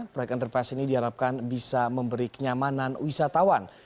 proyek underpass ini diharapkan bisa memberi kenyamanan wisatawan